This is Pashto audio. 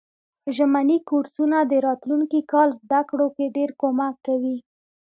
ژمني کورسونه د راتلونکي کال زده کړو کی ډیر کومک کوي.